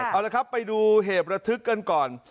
เอาละครับไปดูเหตุระทึกกันก่อน